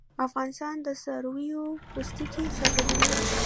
افغانستان د څارویو پوستکي صادروي